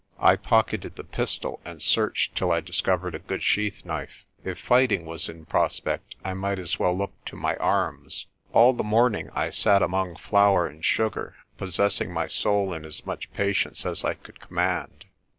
I pocketed the pistol, and searched till I discovered a good sheath knife. If fighting was in prospect I might as well look to my arms. All the morning I sat among flour and sugar possessing my soul in as much patience as I could command.